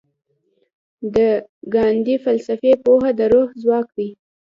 د ګاندي فلسفي پوهه د روح ځواک دی.